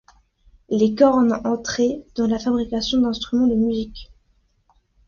Les cornes entraient dans la fabrication d'instruments de musique.